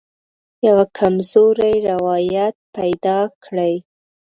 یوه کمزوری روایت پیدا کړي.